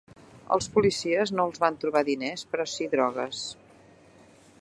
Els policies no els van trobar diners, però sí drogues.